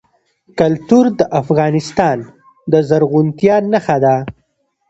کلتور د افغانستان د زرغونتیا نښه ده.